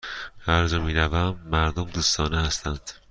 هرجا می روم، مردم دوستانه هستند.